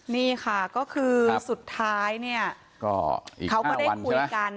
นี่ค่ะก็คือสุดท้ายเนี่ยเขาก็ได้คุยกัน